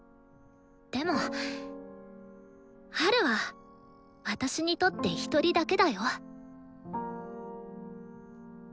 でもハルは私にとって１人だけだよ。